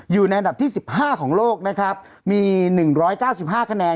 อยู่ในอันดับที่สิบห้าของโลกนะครับมีหนึ่งร้อยเก้าสิบห้าคะแนน